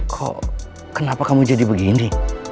kok kenapa kamu jadi begini